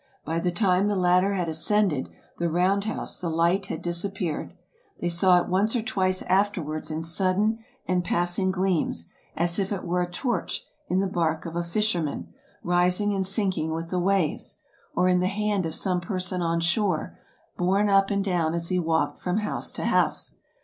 By the time the latter had ascended the round house the light had disappeared. They saw it once or twice afterwards in sudden and passing gleams ; as if it were a torch in the bark of a fisherman, rising and sink ing with the waves ; or in the hand of some person on shore, borne up and down as he walked from house to house.